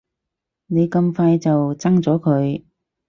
你咁快就憎咗佢